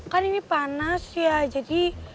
kan ini panas ya jadi